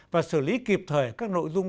và xử lý kịp thời các nội dung